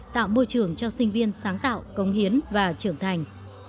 tạo môi trường cho sinh viên sáng tạo công hiến và trưởng thành